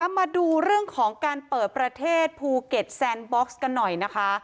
มาดูเรื่องของการเปิดประเทศภูเก็ตแซนบ็อกซ์กันหน่อยนะคะ